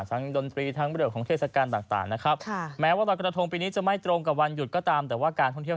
ใช่เสร็จแล้วเหมือนรักฐงมากเนี่ย